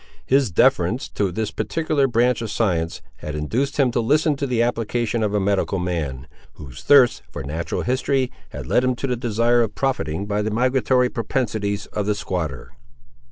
His deference to this particular branch of science had induced him to listen to the application of a medical man, whose thirst for natural history had led him to the desire of profiting by the migratory propensities of the squatter.